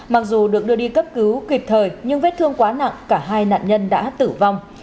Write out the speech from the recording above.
mặc dù được đưa đi cấp cứu kịp thời nhưng vết thương quá nặng cả hai nạn nhân đã tử vong